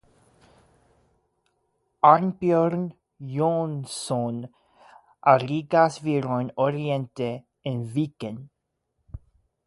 Arnbjorn Jonsson arigas virojn oriente en viken.